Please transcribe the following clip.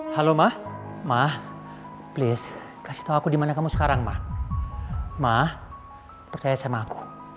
halo mah please kasih tahu aku dimana kamu sekarang mah mah percaya sama aku